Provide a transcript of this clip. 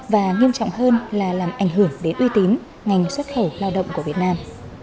và nghiêm trọng hơn là làm ảnh hưởng đến uy tín ngành xuất khẩu lao động của việt nam